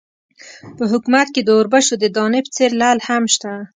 په حکومت کې د اوربشو د دانې په څېر لعل هم شته.